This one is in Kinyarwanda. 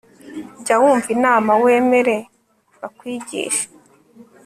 jya wumva inama, wemere bakwigishe